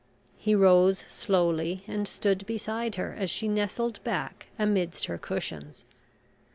He rose slowly and stood beside her, as she nestled back amidst her cushions.